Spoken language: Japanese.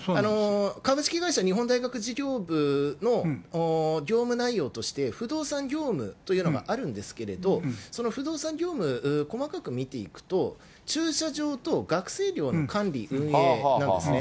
株式会社日本大学事業部の業務内容として、不動産業務というのがあるんですけれども、その不動産業務、細かく見ていくと、駐車場と学生寮の管理運営なんですね。